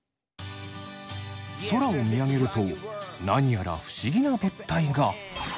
空を見上げると何やら不思議な物体が。